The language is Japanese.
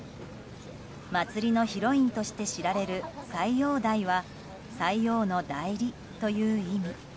祭りのヒロインとして知られる斎王代は斎王の代理という意味。